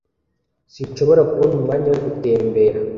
Sinshobora kubona umwanya wo gutembera